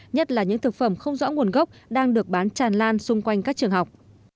nhất là những thực phẩm không rõ nguồn gốc đang được bán tràn lan xung quanh các trường học